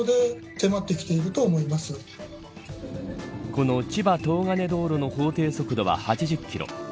この千葉東金道路の法定速度は８０キロ。